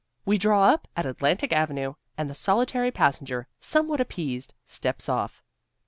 We draw up at Atlantic Avenue, and the solitary passenger, somewhat appeased, steps off.